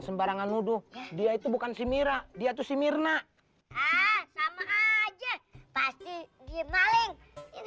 sembarangan nuduh dia itu bukan si mira dia tuh si mirna ah sama aja pasti girnaling ini